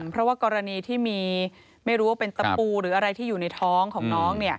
เพราะว่ากรณีที่มีไม่รู้ว่าเป็นตะปูหรืออะไรที่อยู่ในท้องของน้อง